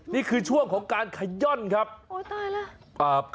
นี่คือช่วงของการขย่อนครับโอ้ตายแล้ว